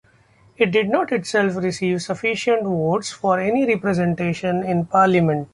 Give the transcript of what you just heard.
It did not itself receive sufficient votes for any representation in Parliament.